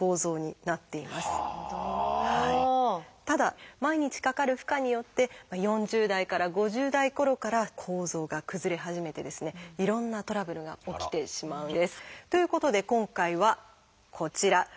ただ毎日かかる負荷によって４０代から５０代ころから構造が崩れ始めてですねいろんなトラブルが起きてしまうんです。ということで今回はこちら。